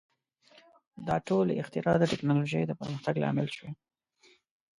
• دا ټولې اختراع د ټیکنالوژۍ د پرمختګ لامل شوې.